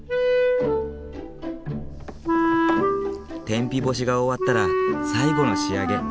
天日干しが終わったら最後の仕上げ。